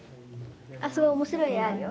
あそこ面白い絵あるよ。